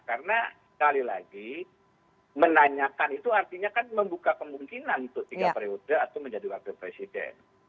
karena sekali lagi menanyakan itu artinya kan membuka kemungkinan untuk tiga periode atau menjadi wakil presiden